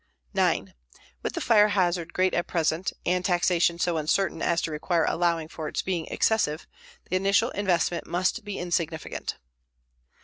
9. With the fire hazard great at present, and taxation so uncertain as to require allowing for its being excessive, the initial investment must be insignificant.